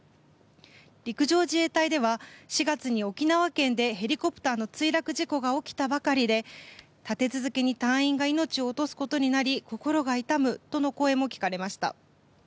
陸上自衛隊では４月に沖縄県でヘリコプターの墜落事故が起きたばかりで立て続けに隊員が命を落とすことになり心が痛むとの声も聞かれました。